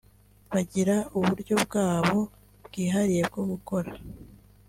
bagira uburyo bwabo bwihariye bwo gukora